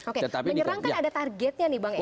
menyerang kan ada targetnya nih bang emrus